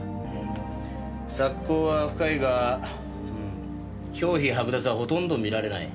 索溝は深いが表皮剥奪はほとんど見られない。